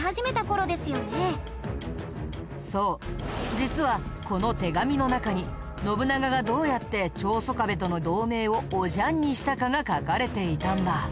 実はこの手紙の中に信長がどうやって長宗我部との同盟をおじゃんにしたかが書かれていたんだ。